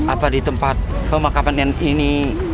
apa di tempat pemakaman ini